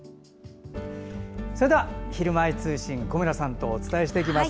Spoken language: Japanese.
それでは「ひるまえ通信」小村さんとお伝えしていきます。